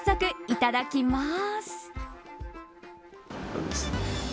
いただきます。